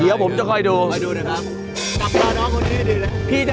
เดี๋ยวผมจะคอยดู